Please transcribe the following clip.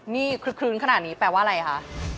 นี่คืนขนาดนี้แปลว่าอะไรคะ